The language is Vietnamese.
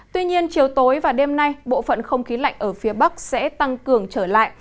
tuy nhiên chiều tối và đêm nay bộ phận không khí lạnh ở phía bắc sẽ tăng cường trở lại